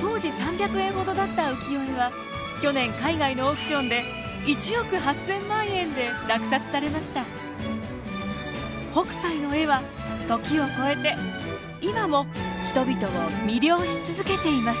当時３００円ほどだった浮世絵は去年海外のオークションで北斎の絵は時を超えて今も人々を魅了し続けています。